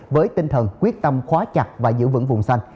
với tinh thần quyết tâm khóa chặt và giữ vững vùng xanh